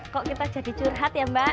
kok kita jadi curhat ya mbak